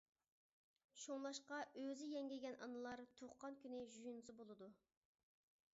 شۇڭلاشقا ئۆزى يەڭگىگەن ئانىلار تۇغقان كۈنى يۇيۇنسا بولىدۇ.